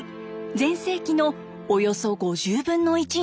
全盛期のおよそ５０分の１に。